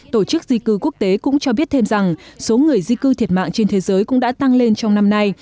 tổ chức di cư quốc tế cũng cho biết thêm rằng số người di cư thiệt mạng trên thế giới cũng đã tăng lên trong năm nay